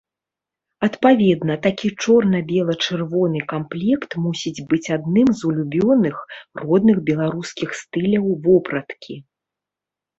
Адпаведна, такі чорна-бела-чырвоны камплект мусіць быць адным з улюбёных, родных беларускіх стыляў вопраткі.